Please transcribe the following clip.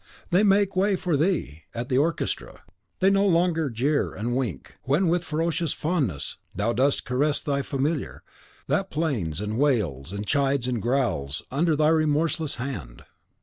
They make way for thee, at the orchestra, they no longer jeer and wink, when, with a fierce fondness, thou dost caress thy Familiar, that plains, and wails, and chides, and growls, under thy remorseless hand.